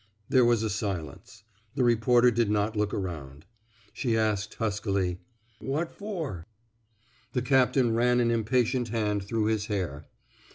*' There was a silence. The reporter did not look around. She asked, huskily: What for! The captain ran an impatient hand through his hair.